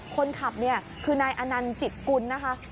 คนขับเนี่ยคือนายอนันต์จิตกุลนะคะ